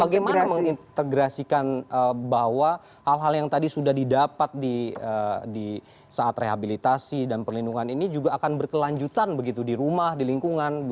bagaimana mengintegrasikan bahwa hal hal yang tadi sudah didapat di saat rehabilitasi dan perlindungan ini juga akan berkelanjutan begitu di rumah di lingkungan